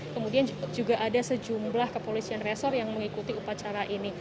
kemudian juga ada sejumlah kepolisian resor yang mengikuti upacara ini